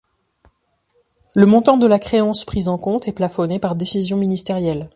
Le montant de la créance prise en compte est plafonné par décision ministérielle.